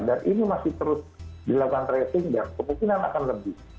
dan ini masih terus dilakukan tracing dan kemungkinan akan lebih